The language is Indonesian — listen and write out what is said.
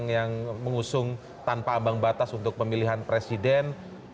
yang mengusung tanpa ambang batas untuk pemilihan presiden